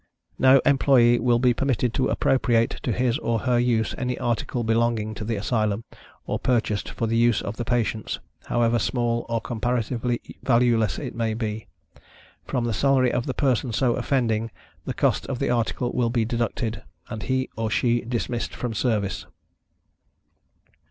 No employee will be permitted to appropriate to his or her use any article belonging to the Asylum, or purchased for the use of the patients, however small or comparatively valueless it may be. From the salary of the person so offending, the cost of the article will be deducted, and he or she dismissed from service.